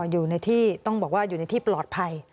อยู่ในที่ต้องบอกว่าอยู่ในที่ปลอดภัย